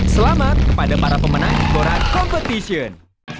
selamat kepada para pemenang jebora competition